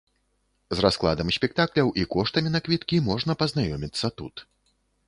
З раскладам спектакляў і коштамі на квіткі можна пазнаёміцца тут.